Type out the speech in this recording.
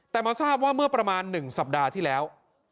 แต่มาทราบว่าเมื่อประมาณ๑สัปดาห์ที่แล้ว